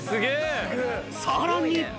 ［さらに］